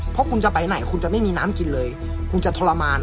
เพราะคุณจะไปไหนคุณจะไม่มีน้ำกินเลยคุณจะทรมาน